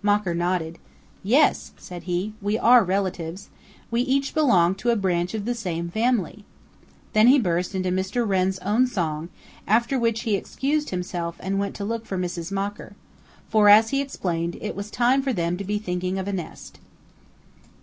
Mocker nodded. "Yes," said he, "we are relatives. We each belong to a branch of the same family." Then he burst into Mr. Wren's own song, after which he excused himself and went to look for Mrs. Mocker. For, as he explained, it was time for them to be thinking of a nest.